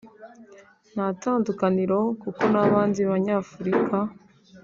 nta tandukaniro kuko n’abandi banyafurika